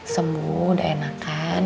sembuh udah enakan